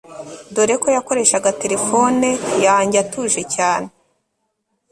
doreko yakoreshaga telephone yanjye atuje cyane